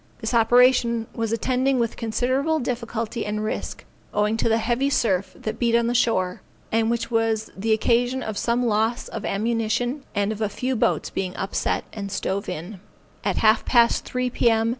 This operation was attended with considerable difficulty and risk, owing to the heavy surf that beat on the shore; and which was the occasion of some loss of ammunition, and of a few boats being upset and stove in. [Illustration: The Sheikh of Rumps.] At half past three P.M.